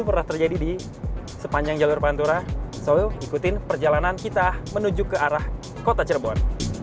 pernah terjadi di sepanjang jalur pantura sol ikutin perjalanan kita menuju ke arah kota cirebon